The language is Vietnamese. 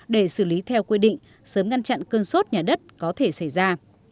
để xử lý theo quy định sớm ngăn chặn cơn sốt nhà đất có thể xảy ra